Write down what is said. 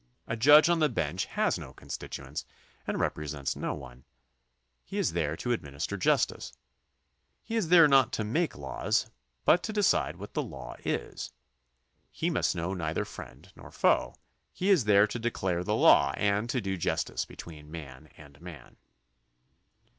A judge on the bench has no con stituents and represents no one. He is there to ad minister justice. He is there not to make laws, but to decide what the law is. He must know neither friend nor foe. He is there to declare the law and to do justice between man and man.